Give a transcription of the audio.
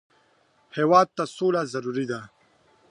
هېواد ته سوله ضروري ده